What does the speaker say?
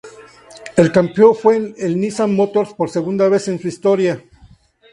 El campeón fue el Nissan Motors, por segunda vez en su historia.